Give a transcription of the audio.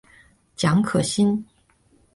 蒋可心。